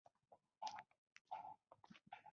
اتوم د مادې تر ټولو کوچنۍ ذره ده.